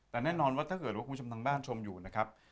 แต่แน่นอนว่าถ้าเกิดว่าคุณผู้ชมทางบ้านชมอยู่นะครับ